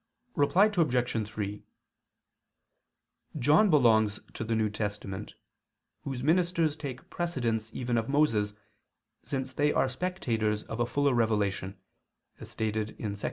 Reply Obj. 3: John belongs to the New Testament, whose ministers take precedence even of Moses, since they are spectators of a fuller revelation, as stated in 2 Cor.